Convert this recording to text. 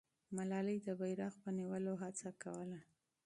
ملالۍ د بیرغ په نیولو هڅه کوله.